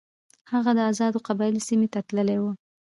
هغه د آزادو قبایلو سیمې ته تللی وو.